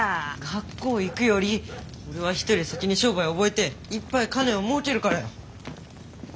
学校行くより俺は人より先に商売覚えていっぱい金をもうけるからよ。